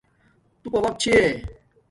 توپا وقت چھیے